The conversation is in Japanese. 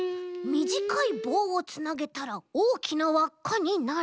みじかいぼうをつなげたらおおきなわっかになる？